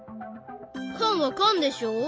缶は缶でしょ？